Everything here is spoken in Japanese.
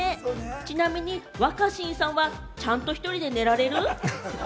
ちなみに若新さんはちゃんと一人で寝られる？